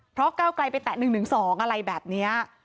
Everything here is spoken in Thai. เพราะก้าวไกลไปแตะ๑๑๒อะไรแบบนี้